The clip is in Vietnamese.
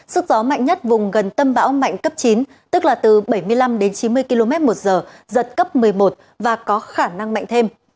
sức gió mạnh nhất vùng gần tâm bão mạnh cấp chín tức là từ bảy mươi năm đến chín mươi km một giờ giật cấp một mươi một và có khả năng mạnh thêm